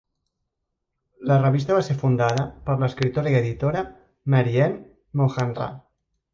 La revista va ser fundada per l'escriptora i editora Mary Anne Mohanraj.